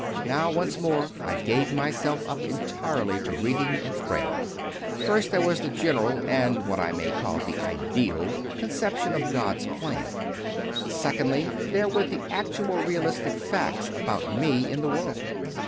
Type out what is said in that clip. Now once more I gave myself up entirely to reading and prayer. First, there was the general, and what I may call the ideal, conception of God s plan. Secondly, there were the actual realistic facts about me in the world.